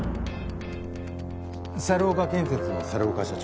猿岡建設の猿岡社長。